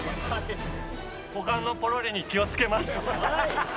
股間のぽろりに気を付けます。